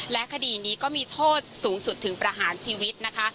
และคดีนี้ก็มีโทษสูงสุดถึงประหารชีวิตนะคะ